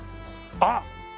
あっ！